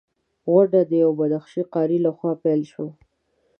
غونډه د یوه بدخشي قاري لخوا پیل شوه.